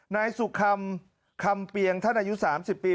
นายสุคำคำเปียงท่านอายุ๓๐ปี